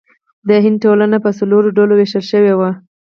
د هند ټولنه په څلورو ډلو ویشل شوې وه.